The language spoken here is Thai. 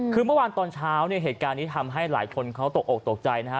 คือเมื่อวานตอนเช้าเนี่ยเหตุการณ์นี้ทำให้หลายคนเขาตกออกตกใจนะฮะ